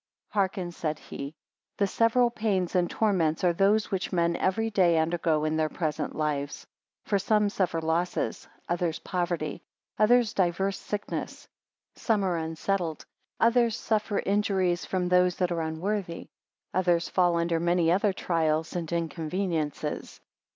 Hearken, said he; The several pains and torments are those which men every day undergo in their present lives. For some suffer losses; others poverty; others divers sicknesses. Some are unsettled; others suffer injuries from those that are unworthy; others fall under many other trials and inconveniences.